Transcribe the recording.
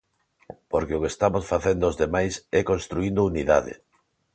Porque o que estamos facendo os demais é construíndo unidade.